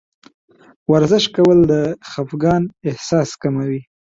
ورزش کول د خفګان احساس کموي.